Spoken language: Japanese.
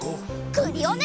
クリオネ！